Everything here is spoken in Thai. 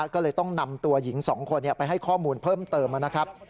ก็เลยต้องนำตัวหญิง๒คนไปให้ข้อมูลเพิ่มเติมนะครับ